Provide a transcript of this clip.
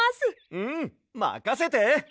うんまかせて！